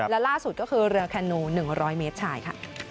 และล่าสุดก็คือเรือแคนนู๑๐๐เมตรชายค่ะ